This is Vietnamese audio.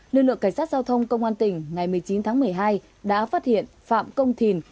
lực lượng cảnh sát giao thông công an tỉnh ngày một mươi chín tháng một mươi hai đã phát hiện phạm công thìn